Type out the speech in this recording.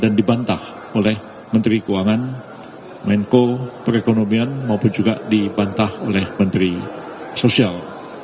dan dibantah oleh menteri keuangan menko perekonomian maupun juga dibantah oleh menteri sosial